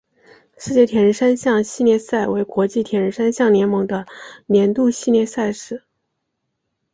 世界铁人三项系列赛为国际铁人三项联盟的年度系列赛事。